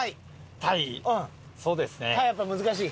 タイはやっぱ難しい？